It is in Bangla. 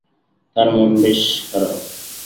তাঁর মন বেশ খারাপ।